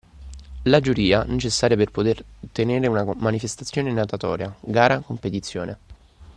La giuria, necessaria per poter tenere una manifestazione natatoria (gara, competizione, …)